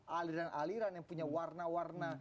aliran aliran yang punya warna warna